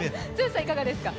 いかがですか？